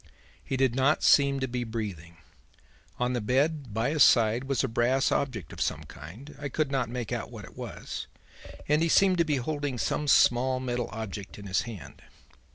He did not seem to be breathing. On the bed by his side was a brass object of some kind I could not make out what it was and he seemed to be holding some small metal object in his hand.